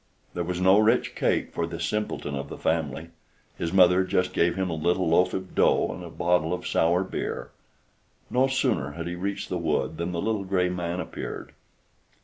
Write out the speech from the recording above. There was no rich cake for the simpleton of the family. His mother just gave him a little loaf of dough and a bottle of sour beer. No sooner did he reach the wood than the little gray man appeared.